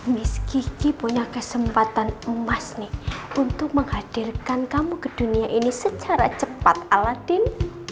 miskin punya kesempatan emas nih untuk menghadirkan kamu ke dunia ini secara cepat aladin